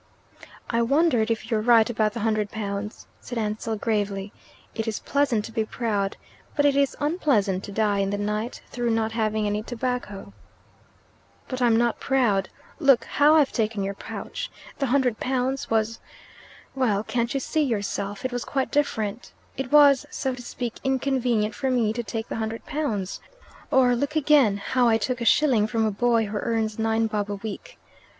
"I wondered if you're right about the hundred pounds," said Ansell gravely. "It is pleasant to be proud, but it is unpleasant to die in the night through not having any tobacco." "But I'm not proud. Look how I've taken your pouch! The hundred pounds was well, can't you see yourself, it was quite different? It was, so to speak, inconvenient for me to take the hundred pounds. Or look again how I took a shilling from a boy who earns nine bob a week!